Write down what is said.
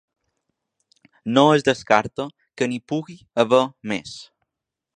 No es descarta que n’hi pugui haver més.